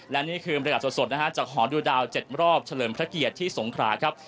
และนี่คือบรรยากาศสดนะฮะจากหอดูดาว๗รอบเฉลิมพระเกียรติที่สงขราครับ